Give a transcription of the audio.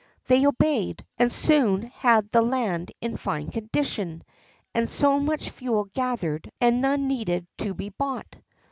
They obeyed, and soon had the land in fine condition, and so much fuel gathered that none need be bought.